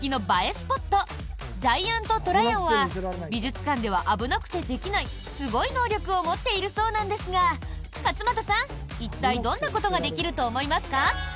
スポット「ジャイアント・トらやん」は美術館では危なくてできないすごい能力を持っているそうなんですが勝俣さん、一体どんなことができると思いますか？